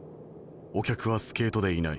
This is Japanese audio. お客はスケートでいない。